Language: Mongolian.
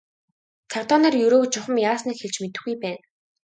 Цагдаа нар Ерөөг чухам яасныг хэлж мэдэхгүй байна.